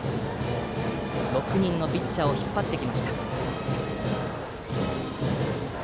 ６人のピッチャーを引っ張ってきました。